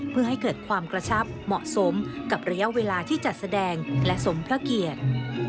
เพื่อให้เกิดความกระชับเหมาะสมกับระยะเวลาที่จัดแสดงและสมพระเกียรติ